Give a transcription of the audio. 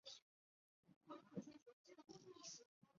使用火箭助推是为飞行器加减速的重要方法之一。